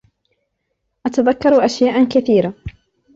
أتذكر أشياء كثيرة.